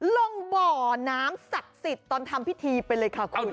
ลงบ่อน้ำศักดิ์สิทธิ์ตอนทำพิธีไปเลยค่ะคุณ